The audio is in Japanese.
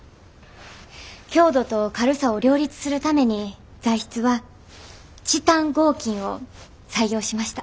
強度と軽さを両立するために材質はチタン合金を採用しました。